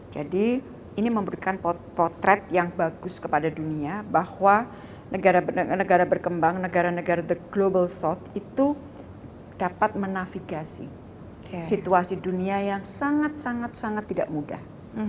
jadi ini memberikan potret yang bagus kepada dunia bahwa negara berkembang negara negara the global south itu dapat menafigasi situasi dunia yang sangat sangat tidak mudah